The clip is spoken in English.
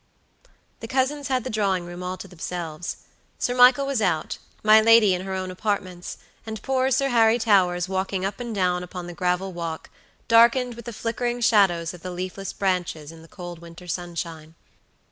The cousins had the drawing room all to themselves. Sir Michael was out, my lady in her own apartments, and poor Sir Harry Towers walking up and down upon the gravel walk, darkened with the flickering shadows of the leafless branches in the cold winter sunshine.